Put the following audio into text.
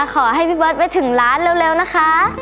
ขอให้พี่เบิร์ตไปถึงร้านเร็วนะคะ